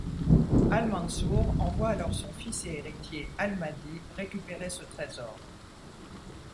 Al-Mansûr envoie alors son fils et héritier, al-Mahdî, récupérer ce trésor.